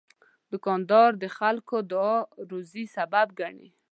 دوکاندار د خلکو دعا د روزي سبب ګڼي.